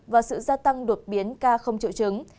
và sự gia tăng đột biến ca không triệu chứng